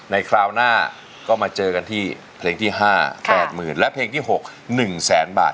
ในคราวหน้าก็มาเจอกันที่เพลงที่ห้าแปดหมื่นและเพลงที่หกหนึ่งแสนบาท